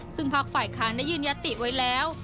ซึ่งภาคฝ่ายค้านได้ยืนยติไว้แล้ว